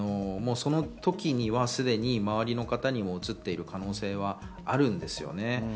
その時には、すでに周りの方にも、うつっている可能性はあるんですよね。